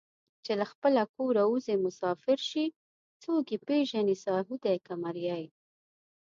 چې له خپله کوره اوځي مسافر شي څوک یې پېژني ساهو دی که مریی